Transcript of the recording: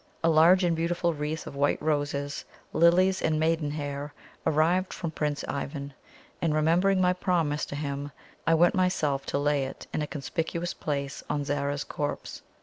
A large and beautiful wreath of white roses, lilies, and maiden hair arrived from Prince Ivan; and, remembering my promise to him, I went myself to lay it in a conspicuous place on Zara's corpse.